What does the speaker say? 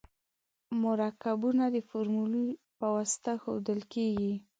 مرکبونه د فورمول په واسطه ښودل کیږي.